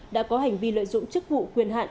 đã có hành vi lợi dụng chức vụ quyền hạn